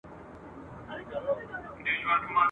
ډلي ډلي له هوا څخه راتللې ..